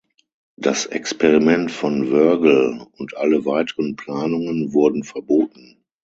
Das Experiment von Wörgl und alle weiteren Planungen wurden verboten.